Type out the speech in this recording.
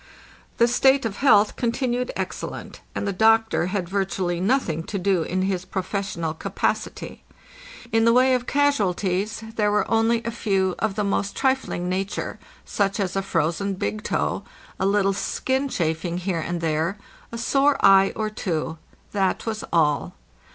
The state of health continued excellent, and the doctor had virtually nothing to do in his professional capacity. In the way 528 APPENDIX of "casualties" there were only a few of the most trifling nature, such as a frozen big toe, a little skin chafing here and there, a sore eye or two; that was all.